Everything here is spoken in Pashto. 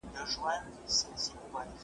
ملا هره ورځ خپل کار په ستړیا پای ته رسوي.